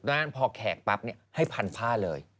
ดังนั้นพอแขกปั๊บให้พันผ้าเลย